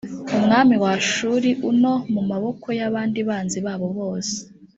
umwami wa ashuri u no mu maboko y abandi banzi babo bose